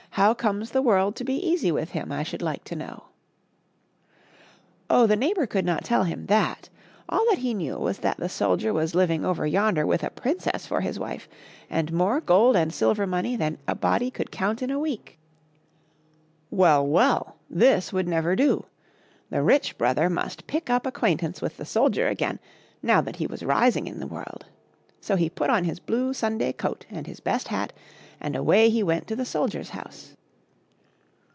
How comes the world to be easy with him, I should like to know ? Oh, the neighbor could not tell him that ; all that he knew was that the soldier was living over yonder with a princess for his wife, and more gold and silver money than a body could count in a week. Well, well, this would never do ! The rich brother must pick up ac quaintance with the soldier again, now that he was rising in the world. So he put on his blue Sunday coat and his best hat, and away he went to the soldier's house.